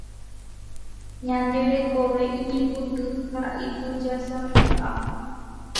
Ñande rekove iñipytũ ha itujásapyʼa.